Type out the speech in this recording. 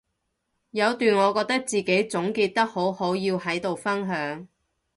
有段我覺得自己總結得好好要喺度分享